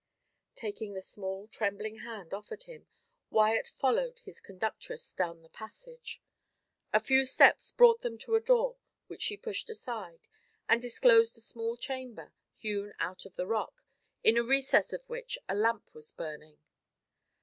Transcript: Taking the small, trembling hand offered him, Wyat followed his conductress down the passage. A few steps brought them to a door, which she pushed aside, and disclosed a small chamber, hewn out of the rock, in a recess of which a lamp was burning.